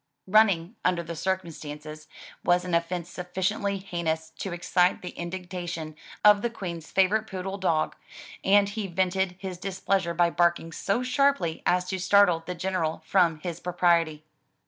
Running, under the circumstances, was an offence sufficiently heinous to excite the indignation of the Queen's favorite poodle dog, and he vented his displeasure by barking so sharply as to startle the General from his propriety.